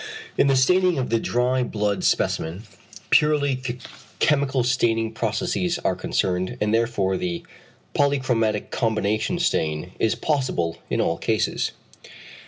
In the staining of the dry blood specimen, purely chemical staining processes are concerned, and therefore the polychromatic combination stain is possible in all cases.